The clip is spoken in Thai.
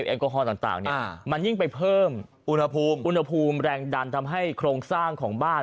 เอ็กซ์แอลกอฮอล์ตั้งมันยิ่งไปเพิ่มอุณหภูมิแรงดันทำให้โครงสร้างของบ้าน